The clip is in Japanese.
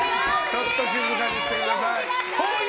ちょっと静かにしてください。